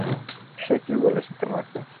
সে কী বলেছে তোমাকে?